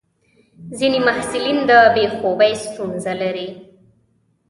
ځینې محصلین د بې خوبي ستونزه لري.